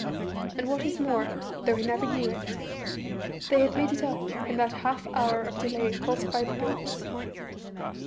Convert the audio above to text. _ And what is more though he never knew it they had made it up in that half hour of delay caused by the Boots.